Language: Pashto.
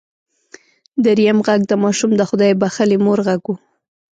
دريم غږ د ماشوم د خدای بښلې مور غږ و.